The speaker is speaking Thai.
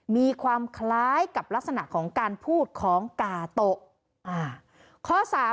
มีความคล้ายกับลักษณะของการพูดของกาโตะ